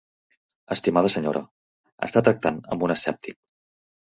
Estimada senyora, està tractant amb un escèptic.